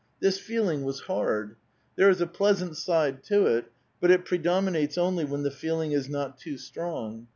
This feeling was hard. There is a pleasant side to it ; but it pre dominates only when the feeling is not too strong.